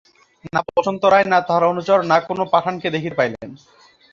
না বসন্ত রায়, না তাঁহার অনুচর, না কোনো পাঠানকে দেখিতে পাইলেন।